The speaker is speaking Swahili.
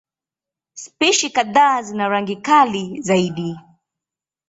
Spishi kadhaa zina rangi kali zaidi.